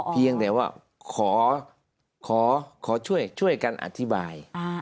เพียงแต่ว่าขอช่วยกันอธิบาย